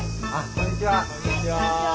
こんにちは。